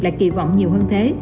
là kỳ vọng nhiều hơn thế